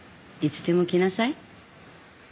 いつでも来なさい。